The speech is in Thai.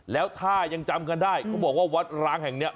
แล้วถ้ายังจำกันได้เขาบอกว่าวัดร้างแห่งนี้